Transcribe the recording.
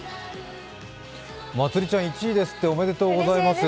まつりちゃん、１位ですって、おめでとうございます。